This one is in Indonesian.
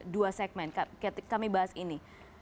dua segmen kami bahas ini